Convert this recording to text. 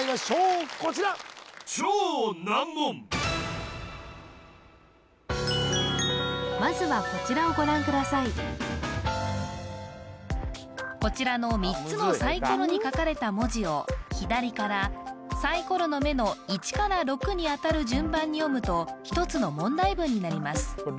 こちらまずはこちらの３つのサイコロに書かれた文字を左からサイコロの目の１から６にあたる順番に読むと１つの問題文になります